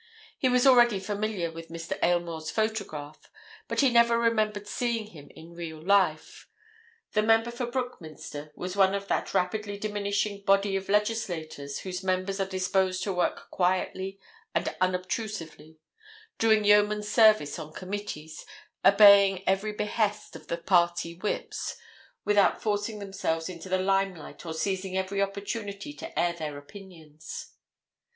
He was already familiar with Mr. Aylmore's photograph, but he never remembered seeing him in real life; the Member for Brookminster was one of that rapidly diminishing body of legislators whose members are disposed to work quietly and unobtrusively, doing yeoman service on committees, obeying every behest of the party whips, without forcing themselves into the limelight or seizing every opportunity to air their opinions.